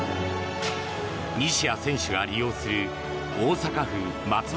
西矢選手が利用する大阪府松原